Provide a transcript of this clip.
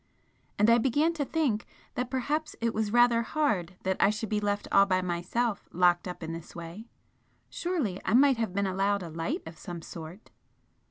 And I began to think that perhaps it was rather hard that I should be left all by myself locked up in this way; surely I might have been allowed a light of some sort!